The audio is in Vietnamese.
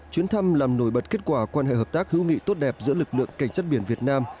chuyến thăm làm nổi bật kết quả quan hệ hợp tác hữu nghị tốt đẹp giữa lực lượng cảnh sát biển việt nam